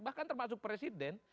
bahkan termasuk presiden